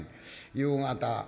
夕方。